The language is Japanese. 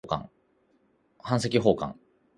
版籍奉還